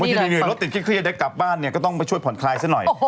วันที่มีรถติดเครียดกลับบ้านเนี่ยก็ต้องไปช่วยผ่อนคลายซะหน่อย